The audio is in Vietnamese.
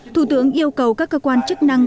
thủ tượng yêu cầu các cơ quan chức năng